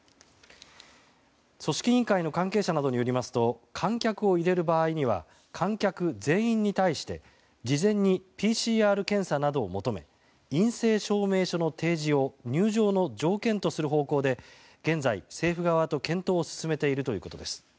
組織委員会の関係者などによりますと観客を入れる場合には観客全員に対して事前にＰＣＲ検査などを求め陰性証明書の提示を入場の条件とする方向で現在、政府側と検討を進めているということです。